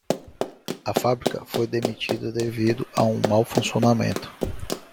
A fábrica foi demitida devido a um mau funcionamento.